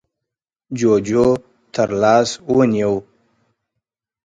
جُوجُو تر لاس ونيو: